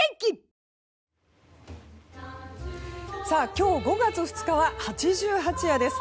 今日５月２日は八十八夜です。